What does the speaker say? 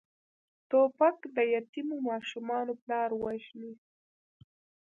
توپک د یتیمو ماشومانو پلار وژني.